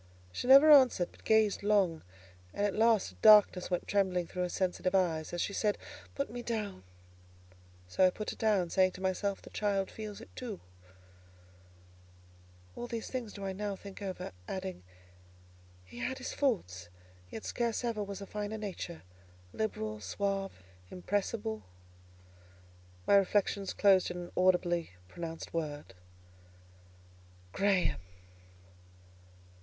She never answered, but gazed long, and at last a darkness went trembling through her sensitive eye, as she said, "Put me down." So I put her down, saying to myself: "The child feels it too." All these things do I now think over, adding, "He had his faults, yet scarce ever was a finer nature; liberal, suave, impressible." My reflections closed in an audibly pronounced word, "Graham!"